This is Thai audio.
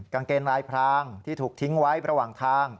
กางเกงลายพรางที่ถูกทิ้งไว้ระหว่างทาง